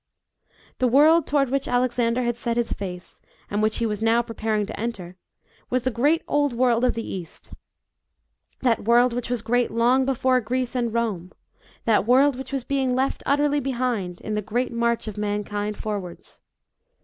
The world toward which Alexander had set his face, and which he was now preparing to enter, was the great old world of the East that world which was great long before Greece and Rome that world which was being left utterly behind, in the great march of mankind forwards.